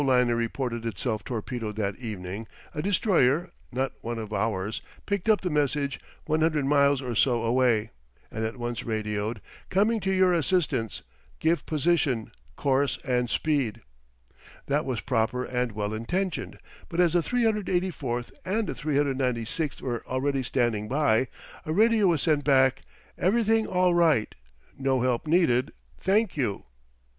_ liner reported herself torpedoed that evening, a destroyer not one of ours picked up the message 100 miles or so away; and at once radioed: COMING TO YOUR ASSISTANCE GIVE POSITION, COURSE, AND SPEED. That was proper and well intentioned, but as the 384 and the 396 were already standing by, a radio was sent back: EVERYTHING ALL RIGHT NO HELP NEEDED THANK YOU.